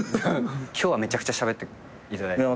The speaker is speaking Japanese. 今日はめちゃくちゃしゃべっていただいて。